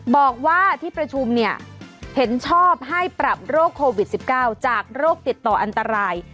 บอกว่าที่ประชุมเนี่ยเห็นชอบให้ปรับโรคโควิด๑๙จากโรคติดต่ออันตราย